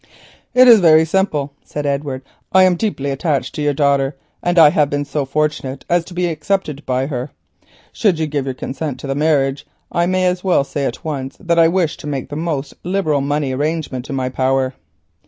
"It is very simple," said Edward; "I am deeply attached to your daughter, and I have been so fortunate as to be accepted by her. Should you give your consent to the marriage, I may as well say at once that I wish to carry out the most liberal money arrangements in my power.